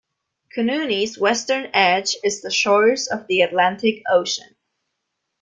Kunene's western edge is the shores of the Atlantic Ocean.